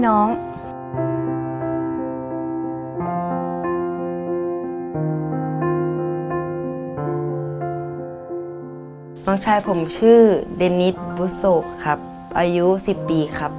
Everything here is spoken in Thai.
น้องชายผมชื่อเดนิสบุโสครับอายุ๑๐ปีครับ